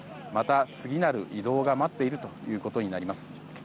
また、次なる移動が待っているということになります。